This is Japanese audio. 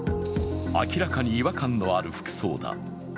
明らかに違和感のある服装だ。